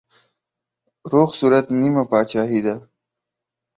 روغ صورت نيمه پاچاهي ده.